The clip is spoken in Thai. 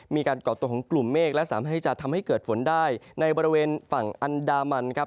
ก่อตัวของกลุ่มเมฆและสามารถที่จะทำให้เกิดฝนได้ในบริเวณฝั่งอันดามันครับ